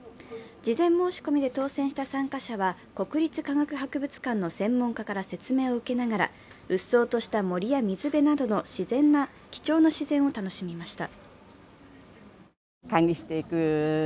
事前申し込みで当選した参加者は国立科学博物館の専門家から説明を受けながらうっそうとした森や水辺などの貴重な自然を楽しみました。